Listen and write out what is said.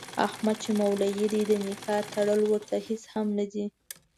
احمد چې مولوي دی د نکاح تړل ورته هېڅ هم نه دي.